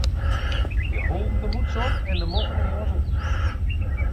Hja holden de mûtse op en de moffen en jas oan.